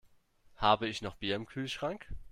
Habe ich noch Bier im Kühlschrank?